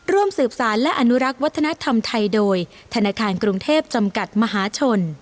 ร่วมสืบสารและอนุรักษ์วัฒนธรรมไทยโดยธนาคารกรุงเทพจำกัดมหาชน